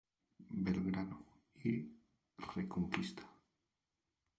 Belgrano y Reconquista.